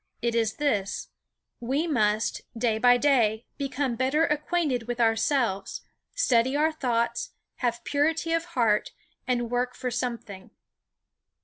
It is this: We must, day by day, become better acquainted with ourselves, study our thoughts, have purity of heart, and work for something.